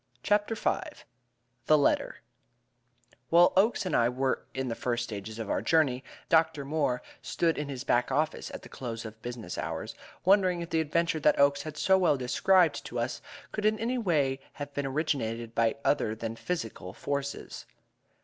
CHAPTER V The Letter While Oakes and I were in the first stages of our journey, Dr. Moore stood in his back office at the close of business hours, wondering if the adventure that Oakes had so well described to us could in any way have been originated by other than physical forces.